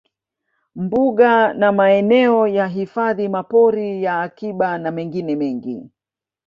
Mbuga na maeneo ya hifadhi mapori ya akiba na mengine mengi